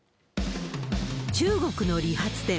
中国の理髪店。